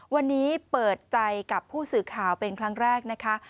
วันนี้เปิดใจกับผู้สื่อข่าวเป็นครั้งแรกนะคะ